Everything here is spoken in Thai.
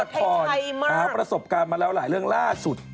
อาจมาเรียนลูกผ้าไพรสการมาหลายเรื่องล่าศุด